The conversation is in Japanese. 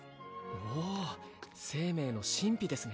おお生命の神秘ですね